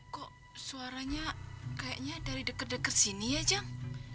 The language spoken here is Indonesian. kok suaranya kayaknya dari deket deket sini ya jang